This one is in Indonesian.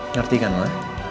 ngerti kan ma